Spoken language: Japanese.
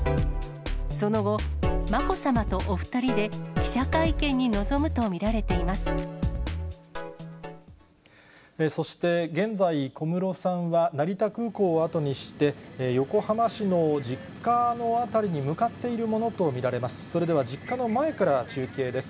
その後、まこさまとお２人で、そして現在、小室さんは成田空港を後にして、横浜市の実家の辺りに向かっているものと見られます。